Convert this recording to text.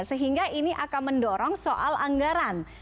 sehingga ini akan mendorong soal anggaran